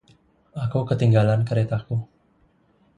Aku ketinggalan keretaku.